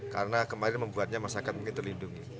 karena kemarin membuatnya masyarakat mungkin terlindungi